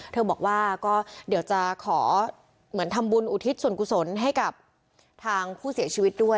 เธอบอกว่าก็เดี๋ยวจะขอเหมือนทำบุญอุทิศส่วนกุศลให้กับทางผู้เสียชีวิตด้วย